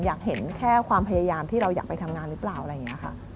อยากเห็นแค่ความพยายามที่เราอยากไปทำงานหรือเปล่าอะไรอย่างนี้ค่ะ